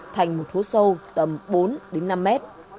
thành một hố sâu tầm bốn năm mét